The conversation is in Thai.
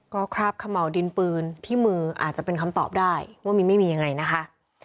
ก็คราบเขม่าวดินปืนที่มืออาจจะเป็นคำตอบได้ว่ามีไม่มียังไงนะคะ